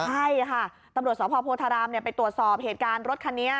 ใช่ค่ะตำรวจสพโพธารามไปตรวจสอบเหตุการณ์รถคันนี้